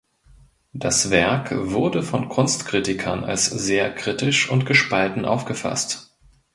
Das Werk wurde von Kunstkritikern als sehr kritisch und gespalten aufgefasst.